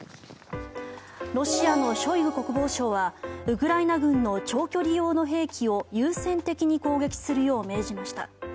ロシアのショイグ国防相はウクライナ軍の長距離用の兵器を優先的に攻撃するよう命じました。